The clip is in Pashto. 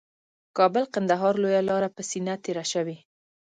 کابل قندهار لویه لاره یې په سینه تېره شوې